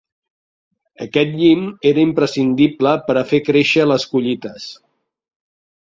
Aquest llim era imprescindible per a fer créixer les collites.